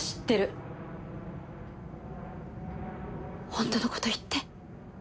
本当の事言って。